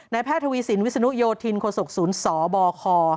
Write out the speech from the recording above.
แพทย์ทวีสินวิศนุโยธินโคศกศูนย์สบค